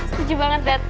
setuju banget dad